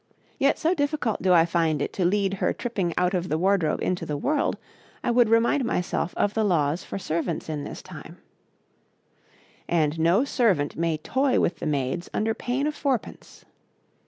Yet so difficult do I find it to lead her tripping out of the wardrobe into the world, I would remind myself of the laws for servants in this time: 'And no servant may toy with the maids under pain of fourpence.'